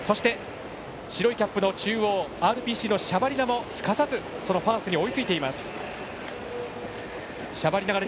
白いキャップの中央ＲＰＣのシャバリナもそのファースに追いついています。